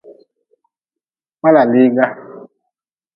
Kpalaliga.